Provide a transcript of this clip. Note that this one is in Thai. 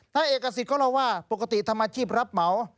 นายเอกสิทธิ์เราว่าปกติทำอาชีพรับเหมา